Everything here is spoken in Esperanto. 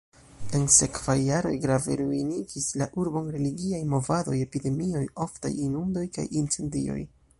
En sekvaj jaroj grave ruinigis la urbon religiaj movadoj, epidemioj, oftaj inundoj kaj incendioj.